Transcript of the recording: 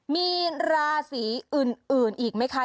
มีราศีอื่นอีกไหมคะ